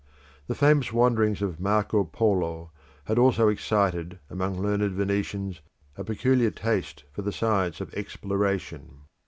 The famous wanderings of Marco Polo had also excited among learned Venetians a peculiar taste for the science of exploration.